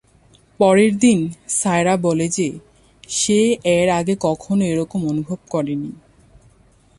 পরের দিন, সায়রা বলে যে, সে এর আগে কখনও এরকম অনুভব করেনি।